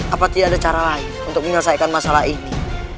apa tidak ada cara lain untuk menyelesaikan masalah ini